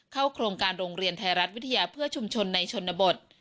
โครงการโรงเรียนไทยรัฐวิทยาเพื่อชุมชนในชนบท